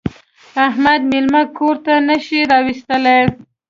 احمد مېلمه کور ته نه شي راوستلی.